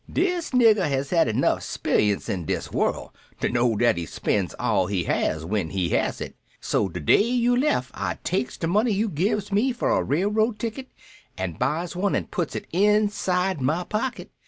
Dis nigger has had enough 'sperience in dis world to know dat he spends all he has w'en he has it. So de day you left I takes de money you gives me for a railroad ticket, an' buys one an' puts it inside my pocket.